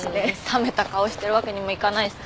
冷めた顔してるわけにもいかないしさ。